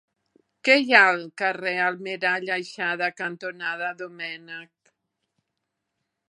Què hi ha al carrer Almirall Aixada cantonada Domènech?